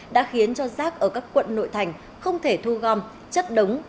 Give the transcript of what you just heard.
đã khiến cho rác ở các quận nội thành không thể thu gom chất đống